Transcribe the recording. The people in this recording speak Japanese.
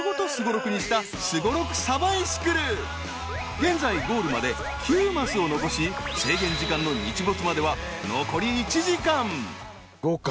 現在ゴールまで９マスを残し制限時間の日没までは残り１時間「５」か。